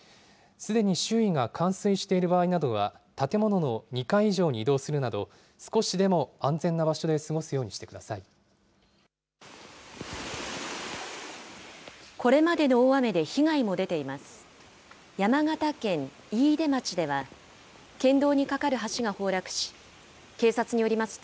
すでに周囲が冠水している場合などは建物の２階以上に移動するなど少しでも安全な場所でこれまでの大雨で被害も出ています。